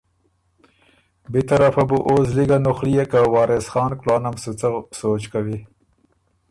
بی طرفه بو او زلی ګه نُخليېک که وارث خان کلانم سُو څۀ سوچ کوی۔